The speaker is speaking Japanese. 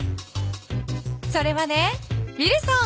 それはねウィルソン。